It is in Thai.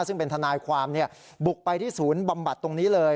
ซึ่งเป็นทนายความบุกไปที่ศูนย์บำบัดตรงนี้เลย